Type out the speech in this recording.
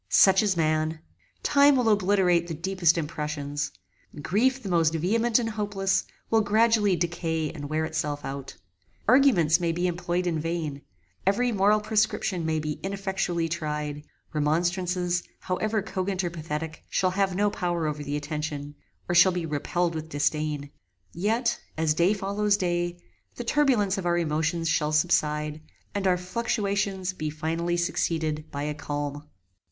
Such is man. Time will obliterate the deepest impressions. Grief the most vehement and hopeless, will gradually decay and wear itself out. Arguments may be employed in vain: every moral prescription may be ineffectually tried: remonstrances, however cogent or pathetic, shall have no power over the attention, or shall be repelled with disdain; yet, as day follows day, the turbulence of our emotions shall subside, and our fluctuations be finally succeeded by a calm.